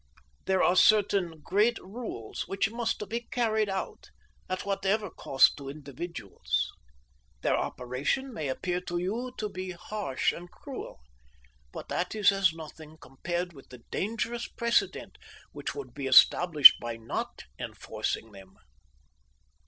There are certain great rules which must be carried out, at whatever cost to individuals. Their operation may appear to you to be harsh and cruel, but that is as nothing compared with the dangerous precedent which would be established by not enforcing them.